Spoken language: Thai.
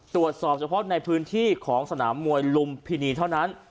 ตรวจสอบเฉพาะในพื้นที่ของสนามมวยลุมพินีเท่านั้น